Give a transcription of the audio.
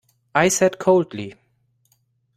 I said coldly.